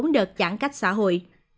bốn đợt giãn cách xã hội